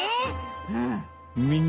うん。